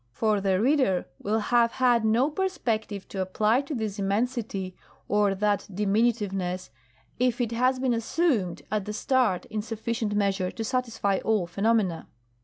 For the reader will have had no perspective to apply to this immensity or that diminutiveness if it bas been assumed at the start in sufficient measure to satisfy all phenomena.